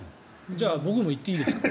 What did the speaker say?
じゃあ、僕も行っていいですか？